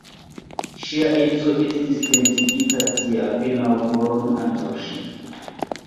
Ŝia edzo estis pendigita tie apenaŭ horon antaŭ ŝi.